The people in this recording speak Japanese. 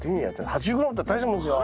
８０ｇったら大したもんですよ。